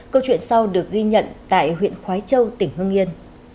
câu chuyện sau được ghi nhận tại huyện khói châu tỉnh hương yên